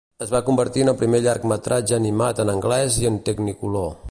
Es va convertir en el primer llargmetratge animat en anglès i en tecnicolor.